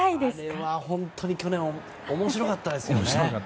あれは本当に去年は面白かったですよね。